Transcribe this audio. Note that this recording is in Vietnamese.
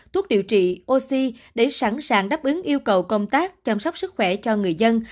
thuốc điều trị oxy để sẵn sàng đáp ứng yêu cầu công tác chăm sóc sức khỏe cho người dân